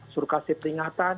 suruh kasih peringatan